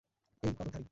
এই, কদক ধারি!